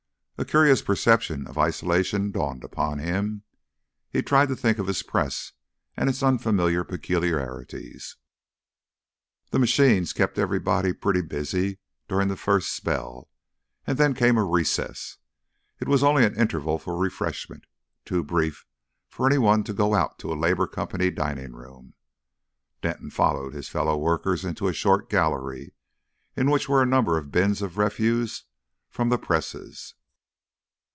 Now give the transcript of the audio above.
A curious perception of isolation dawned upon him. He tried to think of his press and its unfamiliar peculiarities.... The machines kept everybody pretty busy during the first spell, and then came a recess. It was only an interval for refreshment, too brief for any one to go out to a Labour Company dining room. Denton followed his fellow workers into a short gallery, in which were a number of bins of refuse from the presses.